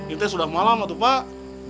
ini sudah malam pak